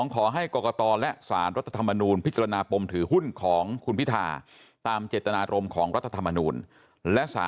ขอให้กรกตและสารรัฐธรรมนูลพิจารณาปมถือหุ้นของคุณพิธาตามเจตนารมณ์ของรัฐธรรมนูล